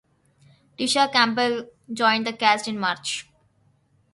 Tisha Campbell joined the cast in March.